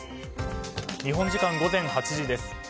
日本時間午前８時です。